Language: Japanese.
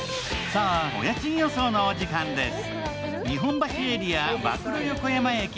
さあ、お家賃予想のお時間です。